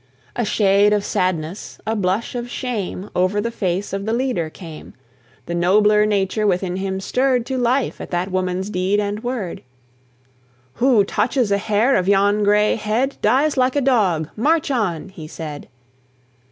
A shade of sadness, a blush of shame, Over the face of the leader came; The nobler nature within him stirred To life at that woman's deed and word: "Who touches a hair of yon gray head Dies like a dog! March on!" he said.